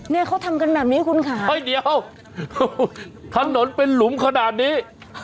เนี่ยเขาทำกันแบบนี้คุณค่ะเฮ้ยเดี๋ยวถนนเป็นหลุมขนาดนี้